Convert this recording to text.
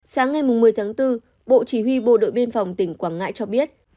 sáng ngày một mươi tháng bốn bộ chỉ huy bộ đội biên phòng tỉnh quảng ngãi cho biết